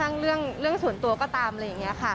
หรือว่าแม้กระทั่งเรื่องส่วนตวก็ตามอะไรแบบนี้ค่ะ